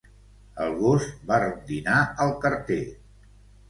El gos va rondinar al carter.